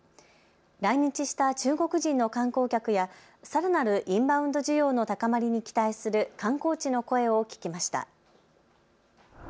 来日した中国人の観光客やさらなるインバウンド需要の高まりに期待する観光地の声を聞きました。